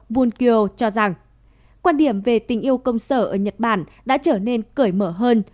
bunkyo cho rằng quan điểm về tình yêu công sở ở nhật bản đã trở nên cởi mở hơn